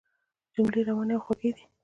جملې روانې او خوږې دي.